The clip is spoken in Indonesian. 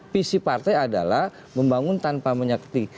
visi partai adalah membangun tanpa menyakti